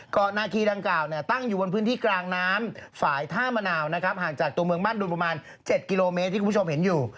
เกาะนาคีดังกล่าวตั้งอยู่บนพื้นที่กลางน้ำฝ่ายท่ามะนาวห่างจากเมืองบ้านดุงประมาณ๗กิโลเมตรที่คุณผู้ชมเห็นอยู่